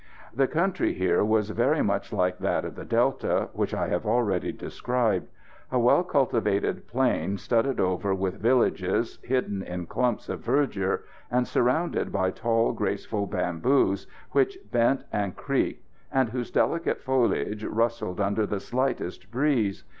The country here was very much like that of the Delta, which I have already described. A well cultivated plain, studded over with villages hidden in clumps of verdure, and surrounded by tall, graceful bamboos, which bent and creaked, and whose delicate foliage rustled under the slightest breeze.